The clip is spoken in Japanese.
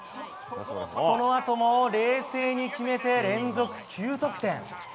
そのあとも冷静に決めて連続９得点。